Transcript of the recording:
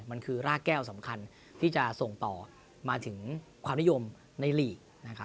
มันคือรากแก้วสำคัญที่จะส่งต่อมาถึงความนิยมในลีกนะครับ